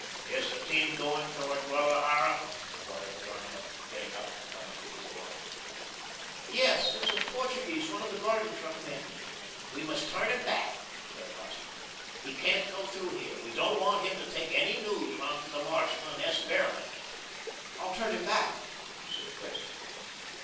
"Is the team going towards Guadalajara?" enquired Garnett, getting up and coming to the door. "Yes, it's a Portuguese, one of the garden truck men." "We must turn him back," declared Osterman. "He can't go through here. We don't want him to take any news on to the marshal and S. Behrman." "I'll turn him back," said Presley.